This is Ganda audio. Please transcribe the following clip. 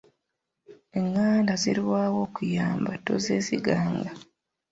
Enganda zirwawo okuyamba, tozeesiganga.